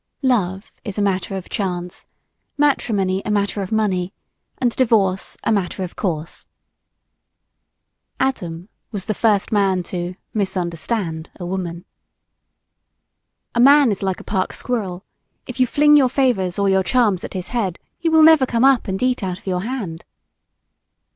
Love is a matter of chance; matrimony a matter of money, and divorce a matter of course. Adam was the first man to "misunderstand" a woman. A man is like a park squirrel; if you fling your favors or your charms at his head he will never come up and eat out of your hand.